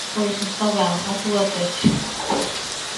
Pois está ben a túa tese.